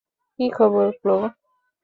কী খবর, ক্লো।